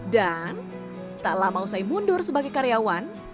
dan tak lama usai mundur sebagai karyawan